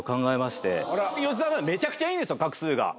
めちゃくちゃいいんです画数が。